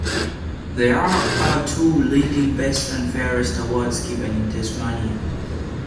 There are two leading best and fairest awards given in Tasmania.